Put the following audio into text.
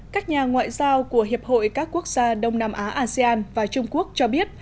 các nhà ngoại giao của hiệp hội các quốc gia đông nam á asean và trung quốc cho biết